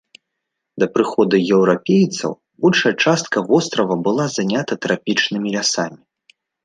Да прыходу еўрапейцаў большая частка вострава была занята трапічнымі лясамі.